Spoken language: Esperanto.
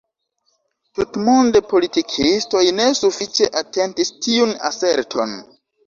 Tutmonde politikistoj ne sufiĉe atentis tiun aserton.